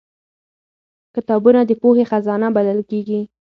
کتابونه د پوهې خزانه بلل کېږي